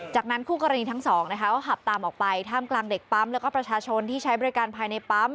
จากนั้นคู่กรณีทั้งสองนะคะก็ขับตามออกไปท่ามกลางเด็กปั๊มแล้วก็ประชาชนที่ใช้บริการภายในปั๊ม